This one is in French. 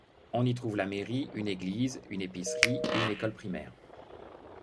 On y trouve la mairie, une église, une épicerie et une école primaire.